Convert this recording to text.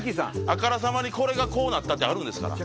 あからさまにこれがこうなったってあるんですから。